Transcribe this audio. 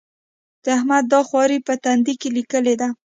د احمد دا خواري په تندي کې ليکلې ده.